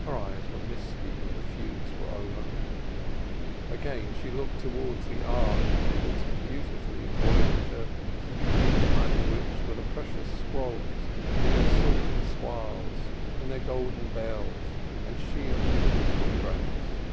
Her eyes were misty when the fugues were over. Again she looked towards the Ark with its beautifully embroidered curtain, behind which were the precious scrolls with their silken swathes and their golden bells and shields and pomegranates.